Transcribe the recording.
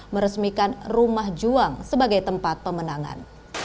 meresmikan rumah juang sebagai tempat pemenangan